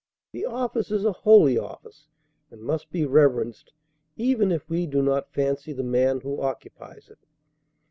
The office is a holy office, and must be reverenced even if we do not fancy the man who occupies it.